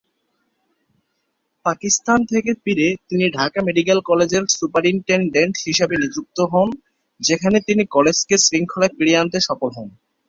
পাকিস্তান থেকে ফিরে তিনি ঢাকা মেডিকেল কলেজের সুপারিনটেনডেন্ট হিসাবে নিযুক্ত হন যেখানে তিনি কলেজকে শৃঙ্খলায় ফিরিয়ে দিতে সফল হন।